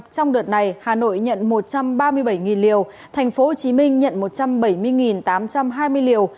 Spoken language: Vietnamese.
trong đợt này hà nội nhận một trăm ba mươi bảy liều thành phố hồ chí minh nhận một trăm bảy mươi tám trăm hai mươi liều